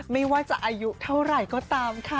ไม่ว่าจะอายุเท่าไหร่ก็ตามค่ะ